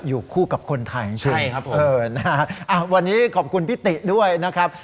อยู่คู่กับคนไทยใช่ไหมครับผมเออนะฮะวันนี้ขอบคุณพี่ติด้วยนะครับ